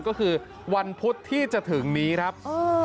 ก็คือวันพุธที่จะถึงนี้ครับ